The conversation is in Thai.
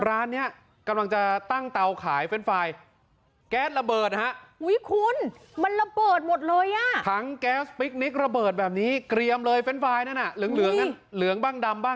ร้านเนี้ยกำลังจะตั้งเตาขายเฟนไฟล์แก๊สระเบิดนะฮะ